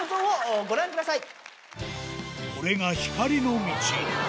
これが光の道